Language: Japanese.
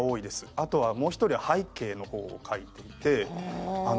あとはもう１人背景の方を描いていて。